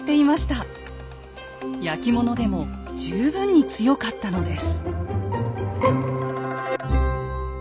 焼き物でも十分に強かったのです。